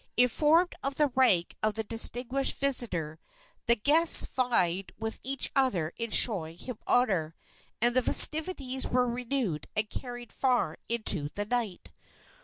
Informed of the rank of the distinguished visitor, the guests vied with each other in showing him honor, and the festivities were renewed and carried far into the night.